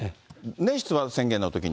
出馬宣言のときに。